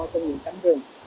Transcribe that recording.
trong nguyên cánh rừng